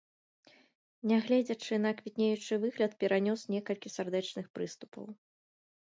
Нягледзячы на квітнеючы выгляд, перанёс некалькі сардэчных прыступаў.